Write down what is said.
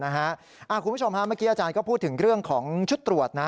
คุณผู้ชมฮะเมื่อกี้อาจารย์ก็พูดถึงเรื่องของชุดตรวจนะ